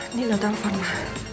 ini udah telepon ma